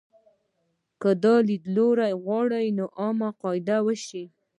که دا لیدلوری وغواړي عامه قاعده شي.